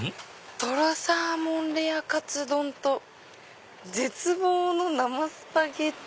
「とろサーモンレアカツ丼」と「絶望の生スパゲティー」だって。